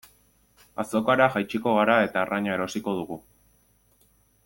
Azokara jaitsiko gara eta arraina erosiko dugu.